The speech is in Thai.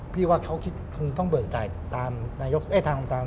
พี่ว่าเขาคิดคงต้องเบิกจ่ายตามสมาคมฟุตบอล